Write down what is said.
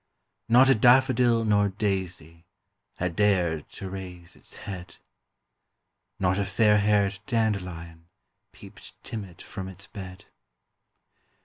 Not a daffodil nor daisy Had dared to raise its head; Not a fairhaired dandelion Peeped timid from its bed; THE CROCUSES.